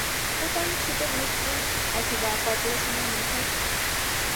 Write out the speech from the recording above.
হতাম ছুতোর মিস্ত্রি অথবা করপোরেশনের মেথর।